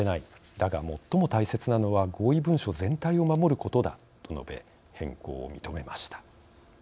だが最も大切なのは合意文書全体を守ることだ」と述べ変更を認めました。